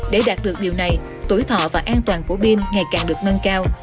để đạt được điều này tuổi thọ và an toàn của bên ngày càng được nâng cao